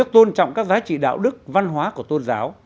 tôn trọng các giá trị đạo đức văn hóa của tôn giáo